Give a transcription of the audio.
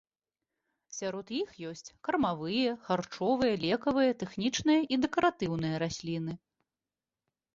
Сярод іх ёсць кармавыя, харчовыя, лекавыя, тэхнічныя і дэкаратыўныя расліны.